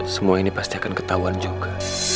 semua ini pasti akan ketahuan juga